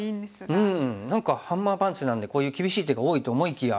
うん何かハンマーパンチなんでこういう厳しい手が多いと思いきや。